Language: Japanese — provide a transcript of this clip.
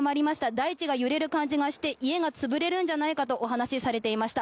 大地が揺れる感じがして家が潰れるんじゃないかとお話しされていました。